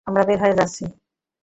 আমরা বের হয়ে যাচ্ছি।